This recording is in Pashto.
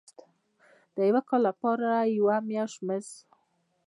د یو کال کار لپاره یو میاشت مزد.